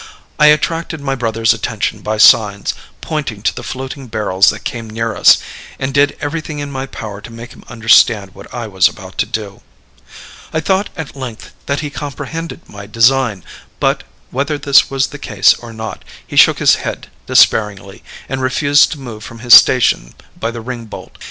I attracted my brother's attention by signs, pointed to the floating barrels that came near us, and did everything in my power to make him understand what I was about to do. "I thought at length that he comprehended my design, but, whether this was the case or not, he shook his head despairingly, and refused to move from his station by the ring bolt.